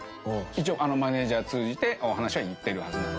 一応マネジャーを通じて話はいってるはずなんで。